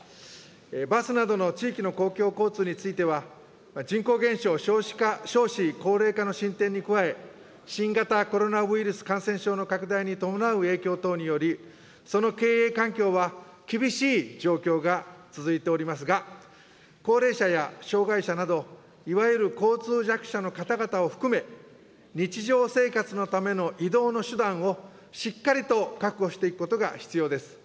バスなどの地域公共交通については、人口減少、少子化、少子高齢化の進展に加え、新型コロナウイルス感染症の拡大に伴う影響等により、その経営環境は厳しい状況が続いておりますが、高齢者や障害者など、いわゆる交通弱者の方々を含め、日常生活のための移動の手段をしっかりと確保していくことが必要です。